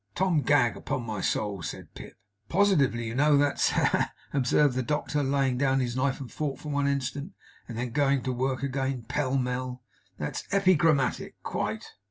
'Tom Gag, upon my soul!' said Pip. 'Positively, you know, that's ha, ha, ha!' observed the doctor, laying down his knife and fork for one instant, and then going to work again, pell mell 'that's epigrammatic; quite!